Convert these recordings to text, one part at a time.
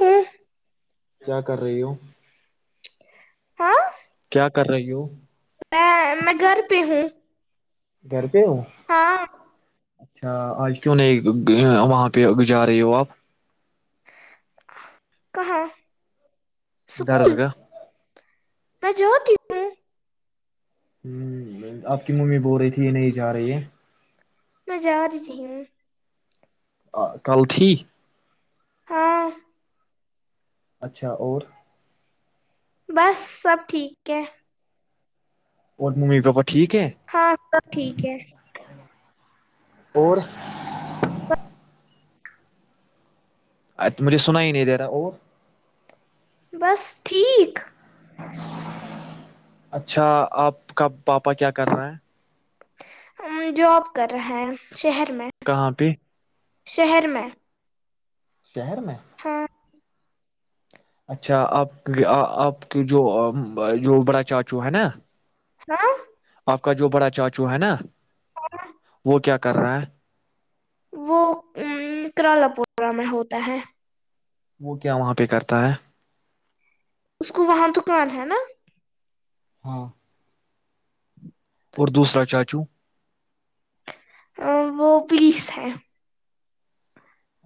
ہوں کیا کر رہی ہو ہاں کیا کر رہی ہو میں گھر پہ ہوں گھر ہاں اچھا آج کیوں نہیں وہاں پہ جا رہی ہو آپ کہاں درس سکول کااہ میں جو کی ہ آپ کی ممی بول رہی تھی یہ نہیں جا رہی ہے میں جاریجوں آ کل تھی ہاں اچھا اور بس سب ٹھیک ہے اور مپ ہاں سب ٹھیک ہے اور ا مجھے سنا ہی نہیں دے رہا اور بس ٹھیک اچھا آپ کا پاپا کیا کر رہا ہے جاب کر رہا ہے شہر میں کہاں پہ شہر میں شہر میں ہاں اچھا آپ آپ کی جو جو بڑا چاچو ہے نا ہاں آپ کا جو بڑا چاچو ہے نا وہ کیا اکرہ وہ کرالاپورا میں ہوتا ہے وہ کیا وہاں پہ کرتا ہے اس کو وہاں تو کان ہے نا ہاں [inaudible] اور دوسرا چاچو [unintelligible] ا وہ پلیس ہے [unintelligible]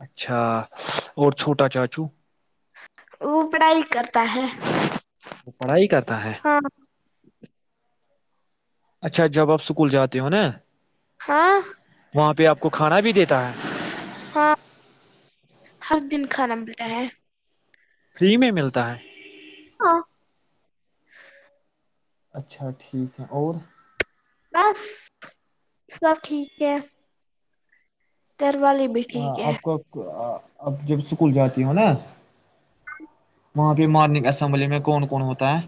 اچھا اور چھوٹا چاچو [unintelligible] وہ پڑھائی کرتا ہے [unintelligible] وہ پڑھائی کرتا ہے [unintelligible] ہاں اچھا جب آپ اسکول جاتے ہو نا [unintelligible] ہاں [inaudible] وہاں پہ آپ کو کھانا بھی دیتا ہے [unintelligible] ہاں ہر دن کھانا ملتا ہے [unintelligible] فری میں ملتا ہے [unintelligible] آ [inaudible] اچھا ٹھیک ہے اور [unintelligible] بس سب ٹھیک ہے [unintelligible] گھر والی بھی ٹھیک ہے [unintelligible] اب جب اسکول جاتی ہوں نا وہاں پہ مارننگ اسمبلی میں کون کون ہوتا ہے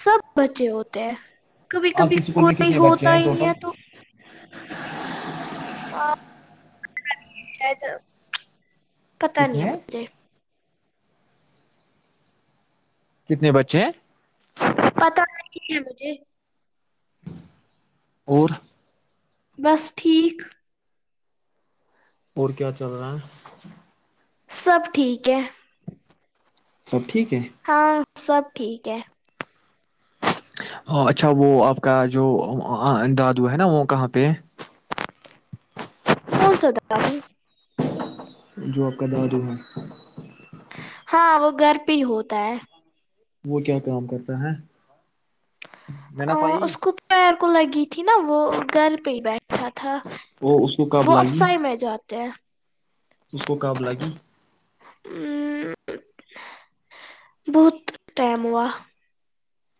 سب بچے ہوتے ہیں کبھی آپ کبھی کے اسکول میں کوئی کتنے بچے ہوتا ہیں ہی نہیں ٹوٹل ہے تو [unintelligible] [unintelligible] پتہ کتنے نہیں ہیں مے کتنے بچے ہیں جی اور بس ٹھیک اور کیا چل رہا ہے سب ٹھیک ہے چل ٹھیک ہے وہ سب ٹھیک ہے ہ اچھا وہ آپ کا جو دادو ہے نا وہ کہاں پہ فن سوتا داد جو آپ کا دادو ہے ہاں وہ گر بھی ہی ہوتا ہے وہ کیا کام کرتا ہے مینا ا پائی اس کو پیر کو لگی تھی نا وہ گھر پہ ہی بیٹھے تھا تھا وہ اس کو قاب وہ لگی افسائی میں جاتے ہیں اس کو کااب لگی بہت ٹائم ہوا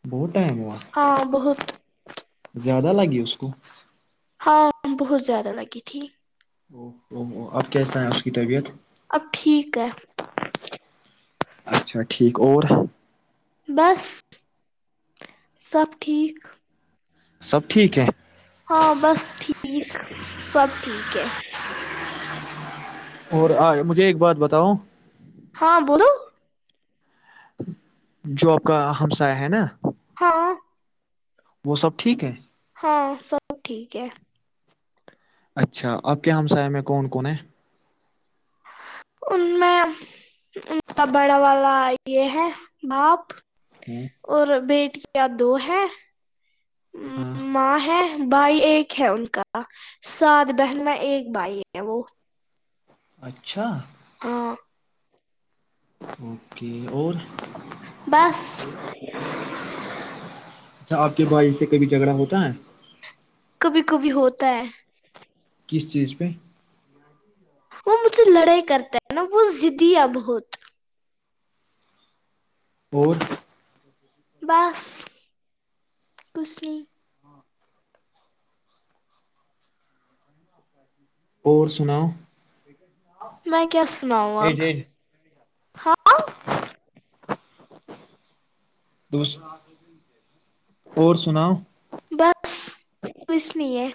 بہت ٹائم ہوا ہاں بہت زیادہ لگی اس کو ہاں بہت زیادہ لگی تھی اوو اب کیسا ہے اس کی طبیعت اب ٹھیک ہے اچھا ٹھیک اور بس سب ٹھیک سب ٹھیک ہے ہاں بس ٹھیک سب ٹھیک ہے اور آ مجھے ایک بات بتاؤ ہاں بولو جو آاب کا ہمسا ہے نا ہاں وہ سب ٹھیک ہے ہاں سب ٹھیک ہے اچھا آپ کے ہمسائے میں کون کون ہیں ان میں ان کا بڑا والا یہ ہے باپ ہے اور بیٹ کیا دو ہے ہاں ماں ہے بھائی ایک ہے ان کا سات بہن میں ایک بھائی ہے وہ اچھا ہاں اوکے اور بس اچھا آپ کے بھائی سے کبھی جھگڑا ہوتا ہے کبھی کبھی ہوتا ہے کس چیز پہ وہ مجھے لڑائی کرتا ہے نا وہ دیا بہت اور بس کھ نہیں اور سناؤ ٹھیک ہے میں کیا سناؤں اب ہاں دوس اور سناؤ بس کچھ نہیں ہے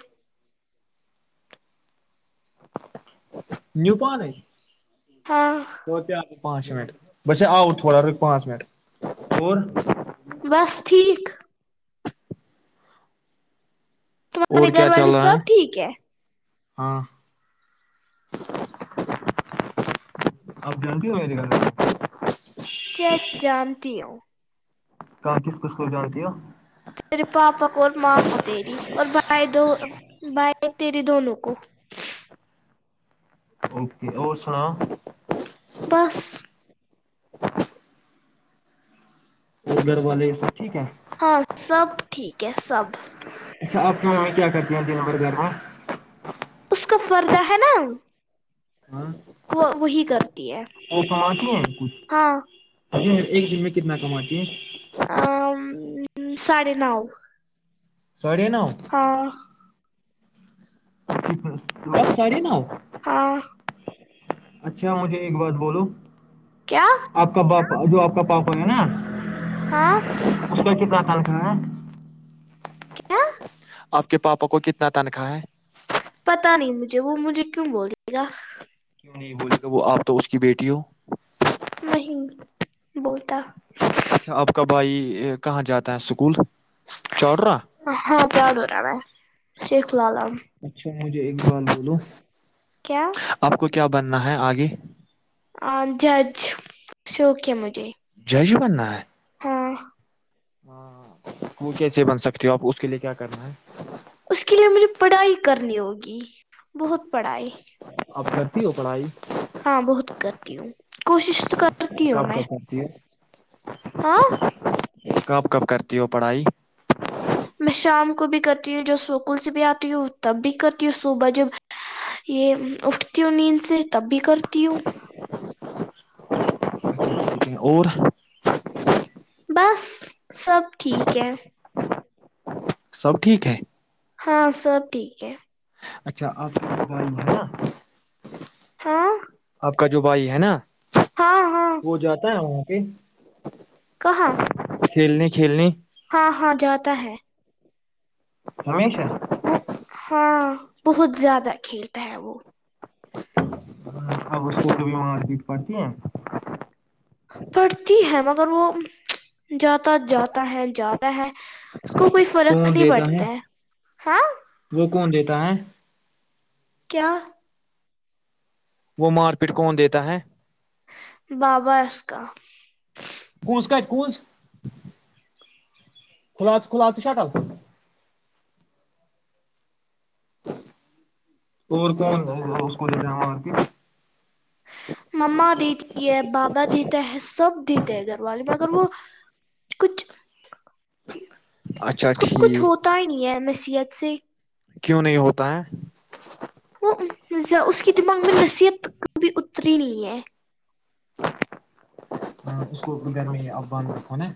نیو پان ہے ہاں تو کیا آ پانچ منٹ بس آؤٹ تھوڑا رک پانچ منٹ اور بس ٹھیک تمہارے اور گھر کیا والے چل رہا سب ہے ٹھیک ہے ہاں آپ جانتی ہو م گھر سے جانتی ہو کہاں کس کس کو جانتی ہے تے پاپا کو اور ماں کو تری اور بھائی دو بھائی تیری دونوں کو اوکے اور سناؤ بس [inaudible] اور گھر والے سب ٹھیک ہے ہاں سب ٹھیک ہے سب اچھا آپ کی مامی کیا کرتی ہیں د نمبر گھر میں اس کا فردہ ہے نا ہ وہ وہی کرتی ہے وہ کما کی ہیں ہاں کچھ ایک دن میں کتنا کماتی ہے ا ساھے نو ساڑھے نو ہاں ساڑی نا ہاں اچھا مجھے ایک بات بولو کیا آپ کا باپ جو آپ پک پؤ پ ہیں نا ہاں ا [inaudible] تال کر کیا آپ کے پاپا کو کتنا تنخواہ ہے پتا نہیں مجھے وہ مجھے کیوں بلیے گا کیوں نہیں بول گا وہ آپ تو اس کی بیٹی ہو وہ بتا اچ آپ کا بھائی کہاں جاتا ہے اسکول چارہ ہاں جڑو ر میں ہے شیخ لالم اچھا مجھے اقبال بولو کیا آپ کو کیا بننا ہے آگے ہ جج شوکے م جی جی بن ہ ہ ہاں وہ کیسے بن سکتی ہو آپ اس کے لیے کیا کرنا ہے اس کے لیے مجھے پڑھائی کرنی ہوگی بہت پڑھائی اب کرتی ہو پڑھائی ہاں بہت کرتی ہوں کوشش تو کرتی ہوں کب میں کب کرتی ہے ہاں کب کب کرتی ہو پڑھائی میں شام کو بھی کرتی ہوں جب سکول سے بھی آتی ہوں تب بھی کرتی ہوں صبح جب یہ اٹھتی ہوں نیند سے تب بھی کرتی ہوں اور بس سب ٹھیک ہے سب ٹھیک ہے ہاں سب ٹھیک ہے اچھا آپ کے میں ہے نا ہ آب کا جو بھائی ہے نا وہ جاتا ہے وہاں جی کہاں کھیلنی کھیلنی ہاں ہاں جاتا ہے ہمیشا وہ ہاں بہت زیادہ کھیلتا ہے وہ و مارکیٹ پتی ہیں پڑھتی ہے مگر وہ جاتا جاتا ہے جاتا ہے اس کو کوئی فرق کون نہیں دیتا پڑتا ہے ہاں وہ کون دیتا ہے کیا وہ مار پیٹ کون دیتا ہے بابا اس کاا کونس کات کنز کھل کھلال شٹل اور کومن ج ہ اسک جؤا اورک ما دیتی ہے بابا دیتا ہے سب دیتے ہیں گھر والے میں اگر وہ کچھ اچھا اس کچھ ٹھیک ہوتا ہی نہیں ہے نصیحت سی کیوں نہیں ہوتا ہے وہ اس کی دماغ میں نصیحت کبھی اتری نہیں ہے ہاں اس کو گھر میں آان رکھو نا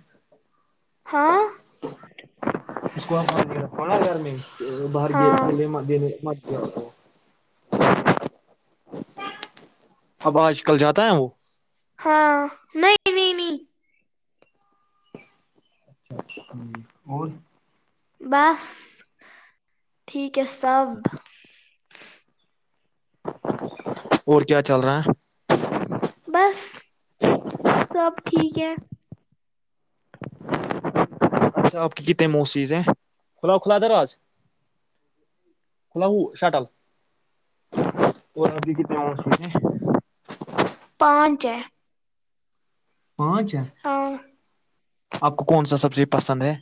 ہاں اس کو پناا گھر میں بار ہاں م اب آج کل جاتا ہے وہ ہاں نہیں نہیں نہیں اچھا اچھا جی اور بس ٹھیک ہے سب اور کیا چل رہا ہے بس سب ٹھیک ہے اچھا آپ کی کتنی موس چیزیں کلاؤ کھلا در آج کھلا ہو شٹل اور آپ کی کتنے م چیز ہیں پانچ ہے پانچ ہاں آپ کو کون سا سبزی پسند ہے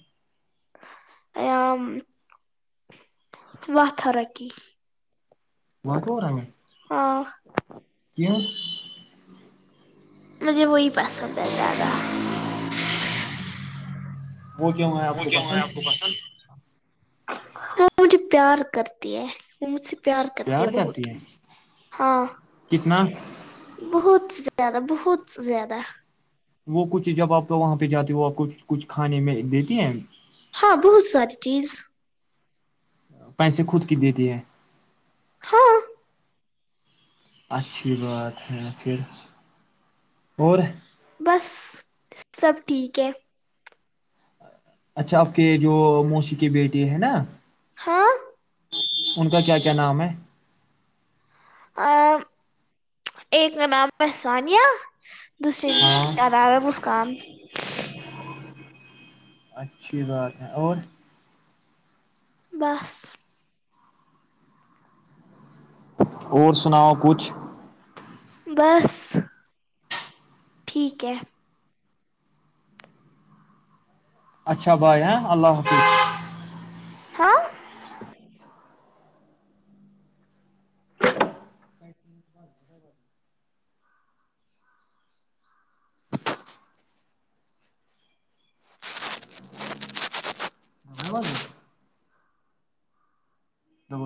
ا واترکی [unintelligible] وہ کو رہا میں ہے [unintelligible] ہاں کیا [unintelligible] مجھے وہی پسند ہے زیادہ وہ کیوں ہے آپ وہ کو کی ہوا ہے آپ پسند کو پسند [unintelligible] وہ مجھے پیار کرتی ہے وہ مجھ سے پیار کرتے ہیں بہت کرتی ہے ہاں کتنا بہت زیادہ بہت زیادہ وہ کچھ جب آپ کو وہاں پہ جاتی ہوپ کچھ کچھ کھانے میں دیتی ہیں ہاں بہت ساری چیز پیسے خود کی دیتی ہے ہاں اچھی بات ہے پھر اور بس سب ٹھیک ہے اچھا آپ کے جو موسی کی بیٹی ہے نا ہاں ان کا کیا کیا نام ہے ایک ن نام ہے سثانیہ [unintelligible] دوسری ہاں آدار م [unintelligible] کام [unintelligible] اچھی بات ہے اور بس اور سناؤ کچھ بس ٹھیک ہے اچھا بھائی ہیں اللہ حافظ ہاں حافظ